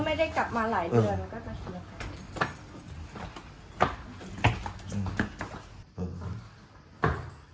ก็ไม่ได้กลับมาหลายเดือนก็จะเคลียร์ค่ะ